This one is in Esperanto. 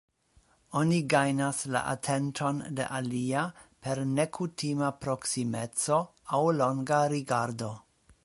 Oni gajnas la atenton de alia per nekutima proksimeco aŭ longa rigardo.